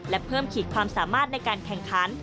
และเพิ่มขีดความสามารถในการแข่งขัน